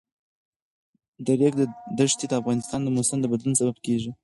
د ریګ دښتې د افغانستان د موسم د بدلون سبب کېږي.